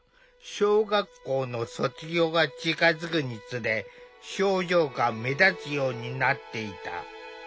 小学校の卒業が近づくにつれ症状が目立つようになっていた。